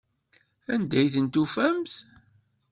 Anda i tent-tufamt?